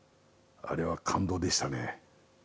あれは感動でしたね。